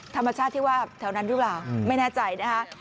ธรรมชาติที่ว่าแถวนั้นหรือเปล่าไม่แน่ใจนะคะ